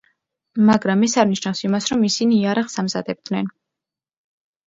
მაგრამ ეს არ ნიშნავს იმას, რომ ისინი იარაღს ამზადებდნენ.